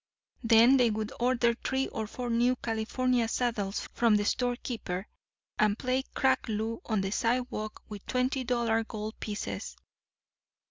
Then they would order three or four new California saddles from the storekeeper, and play crack loo on the sidewalk with twenty dollar gold pieces.